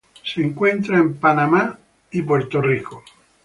Se encuentra en Panamá, California y Puerto Rico.